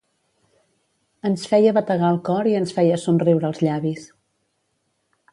...ens feia bategar el cor i ens feia somriure els llavis.